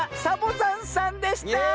サボざんさんでした！